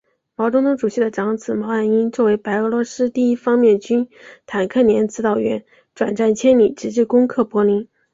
毛泽东主席的长子毛岸英作为白俄罗斯第一方面军坦克连指导员，转战千里，直至攻克柏林。